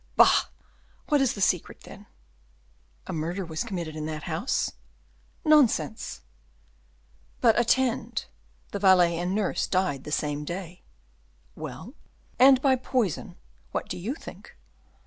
"Bah! what is the secret, then?" "A murder was committed in that house." "Nonsense." "But attend; the valet and nurse died the same day." "Well." "And by poison. What do you think?"